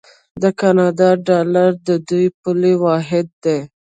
د کاناډا ډالر د دوی پولي واحد دی.